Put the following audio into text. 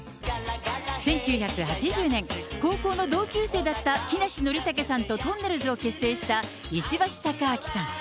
１９８０年、高校の同級生だった木梨憲武さんととんねるずを結成した石橋貴明さん。